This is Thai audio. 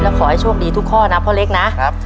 ขอให้โชคดีทุกข้อนะพ่อเล็กนะ